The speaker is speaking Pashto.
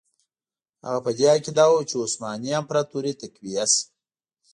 هغه په دې عقیده وو چې عثماني امپراطوري تقویه شي.